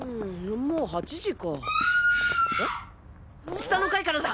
下の階からだ！